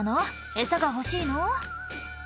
エサが欲しいの？」